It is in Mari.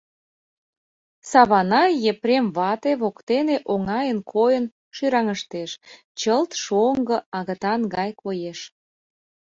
Саванай Епрем вате воктене оҥайын койын шӱраҥыштеш, чылт шоҥго агытан гай коеш.